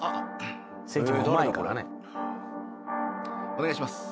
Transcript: お願いします。